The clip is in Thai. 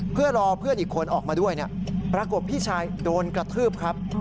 เพื่อรอเพื่อนอีกคนออกมาด้วยปรากฏพี่ชายโดนกระทืบครับ